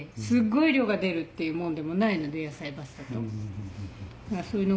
すっごい量が出るっていうもんでもないのでやさいバスだと。